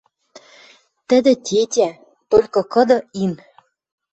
Тӹдӹ тетя... Толькы кыды ин